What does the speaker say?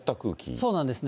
そうなんですね。